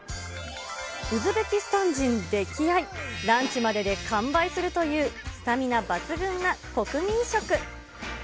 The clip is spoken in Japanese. ウズベキスタン人溺愛、ランチまでで完売するというスタミナ抜群な国民食。